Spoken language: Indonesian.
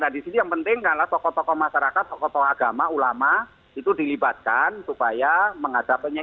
nah disitu yang penting adalah tokoh tokoh masyarakat tokoh tokoh agama ulama itu dilibatkan supaya menghadapinya